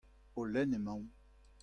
O lenn emaomp.